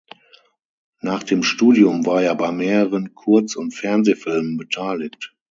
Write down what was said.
Nach dem Studium war er bei mehreren Kurz- und Fernsehfilmen beteiligt.